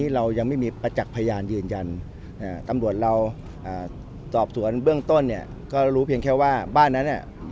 เราอ่าสอบสวนเบื้องต้นเนี้ยก็รู้เพียงแค่ว่าบ้านนั้นเนี้ย